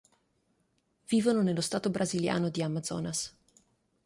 Vivono nello stato brasiliano di Amazonas.